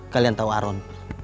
kalian tau aron